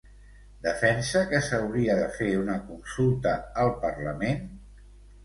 Defensa que s'hauria de fer una consulta al parlament?